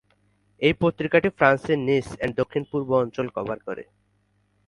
এই পত্রিকাটি ফ্রান্সের নিস এবং দক্ষিণ-পূর্ব অঞ্চল কভার করে।